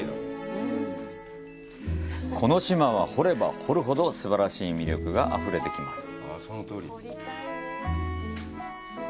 この島は、掘れば掘るほどすばらしい魅力があふれてきます。